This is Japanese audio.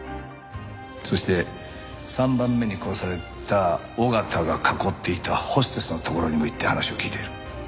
そして３番目に殺された緒方が囲っていたホステスのところにも行って話を聞いている。